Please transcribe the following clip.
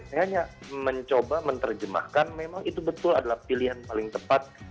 saya hanya mencoba menerjemahkan memang itu betul adalah pilihan paling tepat